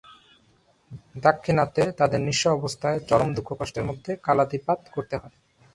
দাক্ষিণাত্যে তাদের নিঃস্ব অবস্থায় চরম দুঃখকষ্টের মধ্যে কালাতিপাত করতে হয়।